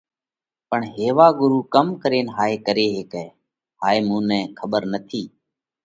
پڻ هيوا ڳرُو ڪم ڪرينَ هائي ڪري هيڪئه هائي مُون نئہ کٻر نٿِي۔